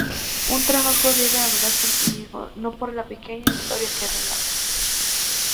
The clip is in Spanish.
Un trabajo debe hablar por sí mismo, no por la pequeña historia que relata.